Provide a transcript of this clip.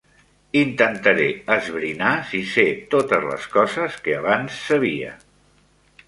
Intentaré esbrinar si sé totes les coses que abans sabia.